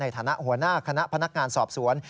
ฐานะหัวหน้าคณะพนักงานสอบสวน